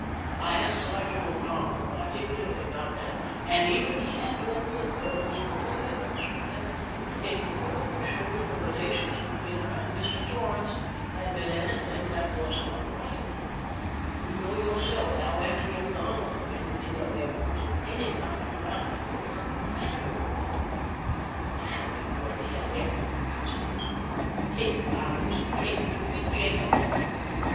"I asked Sergeant O'Donnell particularly about that, and even he had to admit that there was no evidence whatever to implicate the girl or show that the relations between her and Mr. Torrance had been anything that was not right; and you know yourself how anxious O'Donnell has been to dig up evidence of any kind derogatory to either of them." "How are you going to help him?" asked Elizabeth. "Take flowers and cake to him in jail?"